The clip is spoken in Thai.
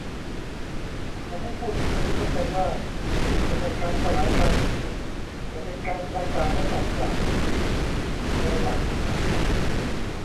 "ขอให้ผู้ชุมนุมเข้าใจว่า นี่ไม่ใช่การสลายการชุมนุม แต่เป็นการประกาศให้ออกจากพื้นที่" เออว่ะ